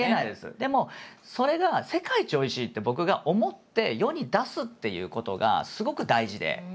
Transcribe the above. でもそれが世界一おいしいって僕が思って世に出すっていうことがすごく大事で。